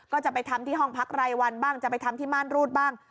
ก็จะไปทำที่ห้องพักรายวันบ้างจะไปทำที่ม่านรูดบ้าง